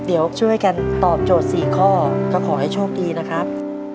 เดี๋ยวช่วยกันตอบโจทย์๔ข้อก็ขอให้โชคดีนะครับ